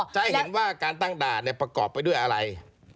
จะให้เห็นว่าการตั้งด่านประกอบไปด้วยอะไร